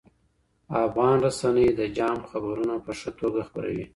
افغان رسنۍ د جام خبرونه په ښه توګه خپروي.